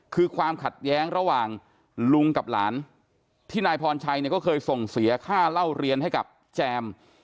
คือความขัดแย้งระหว่างลุงกับหลานที่นายพรชัยเนี่ยก็เคยส่งเสียค่าเล่าเรียนให้กับแจม